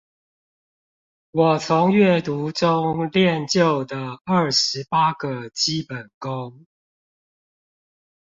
我從閱讀中練就的二十八個基本功